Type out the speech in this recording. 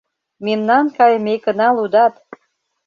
Мемнан кайымекына лудат.